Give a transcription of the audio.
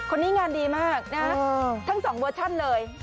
คนนี้งานดีมากนะทั้งสองเวอร์ชั่นเลย